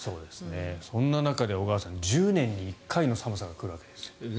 そんな中で１０年に１回の寒さが来るわけですよ。